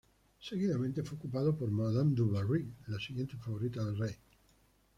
Seguidamente fue ocupado por Madame du Barry, la siguiente favorita del rey.